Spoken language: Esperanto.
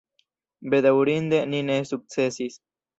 Bedaŭrinde ni ne sukcesis.